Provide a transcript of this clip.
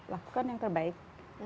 lakukan yang terbaik